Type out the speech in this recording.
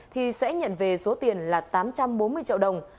thì sẽ nhận về số tiền là tám trăm bốn mươi triệu đồng